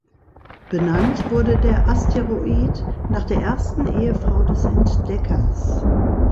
Benannt wurde der Asteroid nach der ersten Ehefrau des Entdeckers.